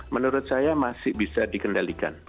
menurut saya masih bisa dikendalikan